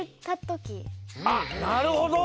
あっなるほど！